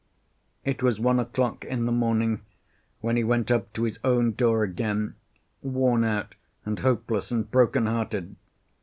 It was one o'clock in the morning when he went up to his own door again, worn out and hopeless and broken hearted.